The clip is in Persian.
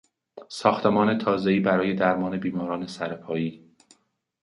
ساختمان تازهای برای درمان بیماران سرپایی